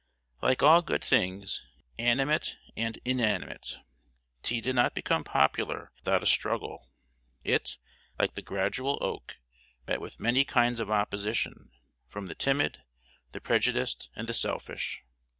Like all good things, animate and inanimate, tea did not become popular without a struggle. It, like the gradual oak, met with many kinds of opposition, from the timid, the prejudiced, and the selfish.